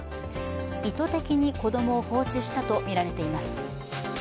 意図的に子供を放置したとみられています。